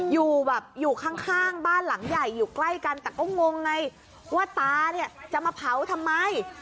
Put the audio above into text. อยู่แบบอยู่ข้างบ้านหลังใหญ่อยู่ใกล้กันแต่ก็งงไงว่าตาเนี่ยจะมาเผาทำไม